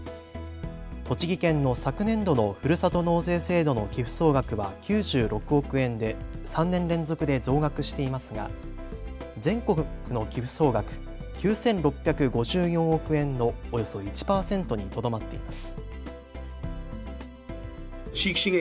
栃木県の昨年度のふるさと納税制度の寄付総額は９６億円で３年連続で増額していますが全国の寄付総額９６５４億円のおよそ１％にとどまっています。